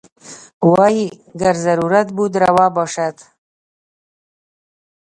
وايي ګر ضرورت بود روا باشد.